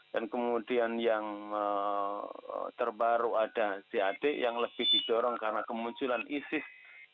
dan kemudian yang terbaru ada zad yang lebih didorong karena kemunculan isis